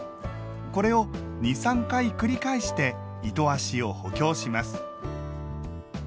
これを２３回繰り返して糸足を補強します。